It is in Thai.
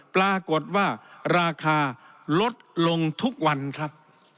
ปรากฏว่าราคาลดลงทุกวันครับ